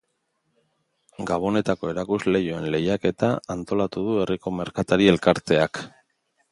Gabonetako erakusleihoen lehiaketa antolatu du herriko merkatari elkarteak.